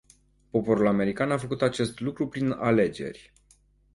Poporul american a făcut acest lucru prin alegeri.